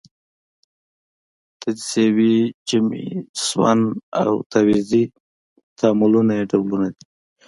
تجزیوي، جمعي، سون او تعویضي تعاملونه یې ډولونه دي.